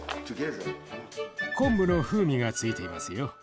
昆布の風味が付いていますよ。